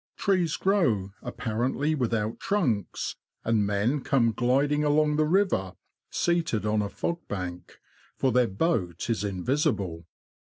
Trees grow apparently without trunks, and men come gliding along the river, seated on a fogbank. YARMOUTH TO LOWESTOFT. 43 for their boat is invisible.